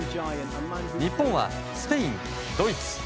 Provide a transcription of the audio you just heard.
日本はスペイン、ドイツ